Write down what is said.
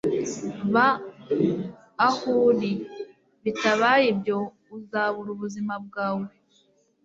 Ba aho uri; bitabaye ibyo, uzabura ubuzima bwawe. ”